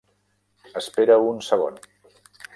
Espera un segon.